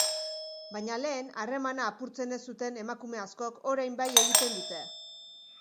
Baina lehen harremana apurtzen ez zuten emakume askok orain bai egiten dute.